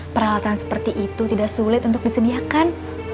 peralatan seperti itu tidak sulit untuk disediakan